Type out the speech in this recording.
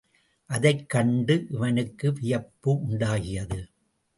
அதைக் கண்டு இவனுக்கு வியப்பு உண்டாகியது.